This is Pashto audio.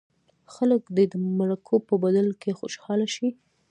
خلک دې د مرکو په بدل کې خوشاله شي.